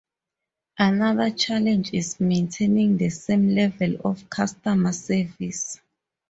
Another challenge is maintaining the same level of customer service.